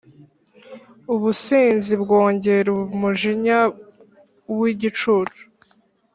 Ubusinzi bwongera umujinya w’igicucu,